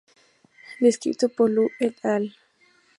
Descrito por Lu "et al.